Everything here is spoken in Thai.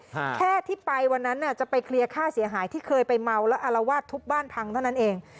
แค่ที่ไปวันนั้นน่ะจะไปเคลียร์ค่าเสียหายที่เคยไปเมาแล้วอารวาสทุบบ้านพังเท่านั้นเอง